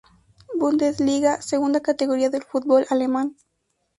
Bundesliga, segunda categoría del fútbol alemán.